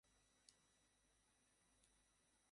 ও সেরকম নয়।